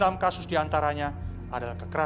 dan dua puluh enam kasus di antaranya adalah orang tua